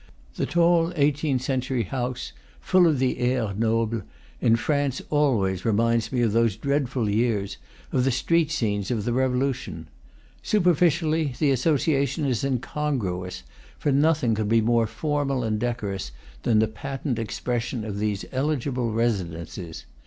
The tall eighteenth century house, full of the air noble, in France always reminds me of those dreadful years, of the street scenes of the Revolution. Superficially, the association is incongru ous, for nothing could be more formal and decorous than the patent expression of these eligible residences.